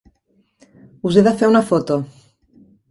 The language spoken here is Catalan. Us he de fer una foto.